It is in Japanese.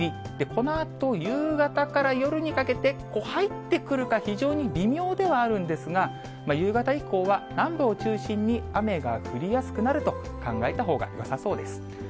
このあと、夕方から夜にかけて、入ってくるか非常に微妙ではあるんですが、夕方以降は南部を中心に雨が降りやすくなると考えたほうがよさそうです。